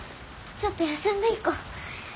ちょっと休んでいこう。